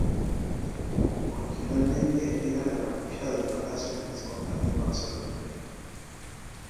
Originalmente era la capilla del Palacio Episcopal de Barcelona.